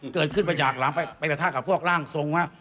เกิดขึ้นไปจากไปประทะกับพวกร่างทรงครับ